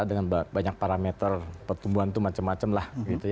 dengan banyak parameter pertumbuhan itu macam macam lah